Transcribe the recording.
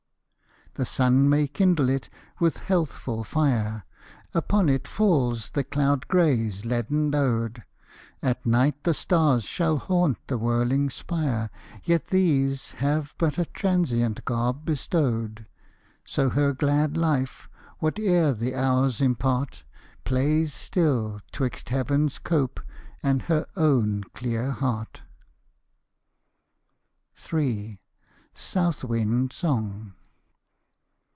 The sun may kindle it with healthful fire; Upon it falls the cloud gray's leaden load; At night the stars shall haunt the whirling spire: Yet these have but a transient garb bestowed. So her glad life, whate'er the hours impart, Plays still 'twixt heaven's cope and her own clear heart. III. SOUTH WIND SONG.